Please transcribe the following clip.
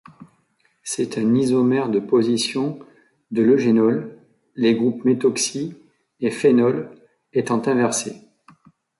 C'est un isomère de position de l'eugénol, les groupes méthoxy et phénol étant inversés.